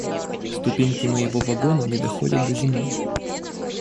Ступеньки моего вагона не доходят до земли.